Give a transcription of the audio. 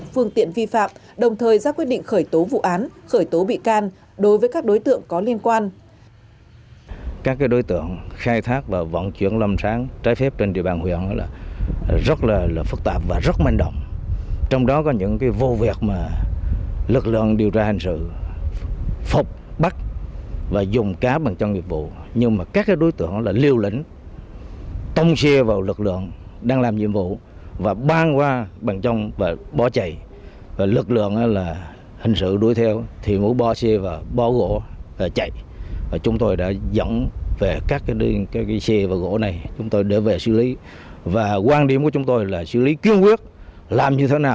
phương tiện vi phạm đồng thời ra quyết định khởi tố vụ án khởi tố bị can đối với các đối tượng có liên quan